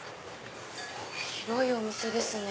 広いお店ですね。